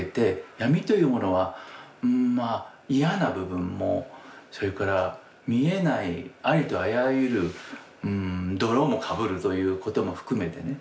闇というものはまあ嫌な部分もそれから見えないありとあらゆる泥もかぶるということも含めてね